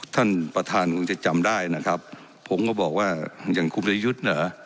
ท่านประธานคงจะจำได้นะครับผมก็บอกว่าอย่างคุณประยุทธ์เหรอ